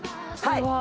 はい。